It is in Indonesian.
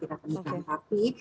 jadi kemudian apa yang terjadi